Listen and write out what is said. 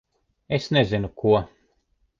Es nezinu ko...